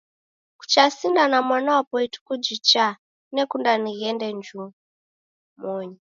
Kucha sinda na mwana wapo ituku jichaa, nekunda nighende njumonyi.